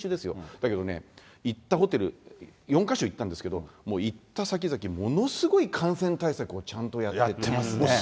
だけどね、行ったホテル、４か所行ったんですけど、もう行った先々、ものすごい感染対策をちゃんとやってます。